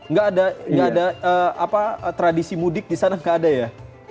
nggak ada tradisi mudik di sana nggak ada ya